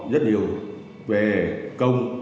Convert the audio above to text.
rất nhiều về công